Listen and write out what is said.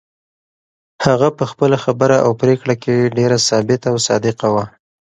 هغه په خپله خبره او پرېکړه کې ډېره ثابته او صادقه وه.